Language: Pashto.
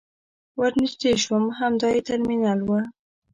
ور نژدې شوم همدا يې ترمینل و.